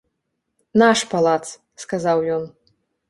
— Наш палац, — сказаў ён.